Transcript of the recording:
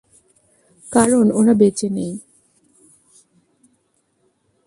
কারণ ওরা বেঁচে নেই।